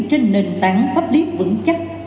trên nền tảng pháp liếc vững chắc